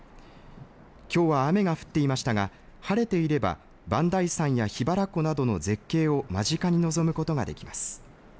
きょうは雨が降っていましたが晴れていれば磐梯山や桧原湖などの絶景を間近に望むことができます。